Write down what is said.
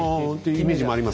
イメージもあります。